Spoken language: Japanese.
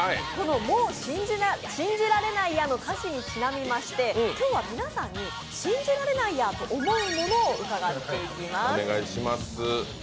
「もう信じられないや」の歌詞にちなみまして今日は皆さんに信じられないやと思うものを伺っていきます。